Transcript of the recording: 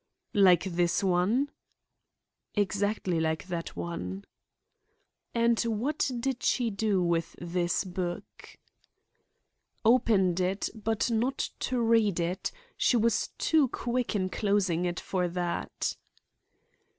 "Like this one?" "Exactly like that one." "And what did she do with this book?" "Opened it, but not to read it. She was too quick in closing it for that."